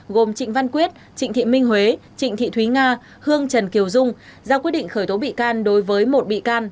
gồm trịnh văn quyết trịnh thị minh huế trịnh thị thúy nga hương trần kiều dung ra quyết định khởi tố bị can đối với một bị can